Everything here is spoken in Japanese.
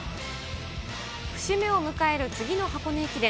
節目を迎える次の箱根駅伝。